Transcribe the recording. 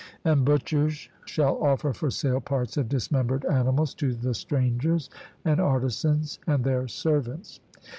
And butchers shall offer for sale parts of dismembered animals to the strangers, and artisans, and their servants.